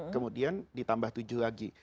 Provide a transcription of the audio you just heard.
kemudian ditambah tujuh lagi